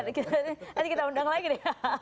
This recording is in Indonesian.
nanti kita undang lagi nih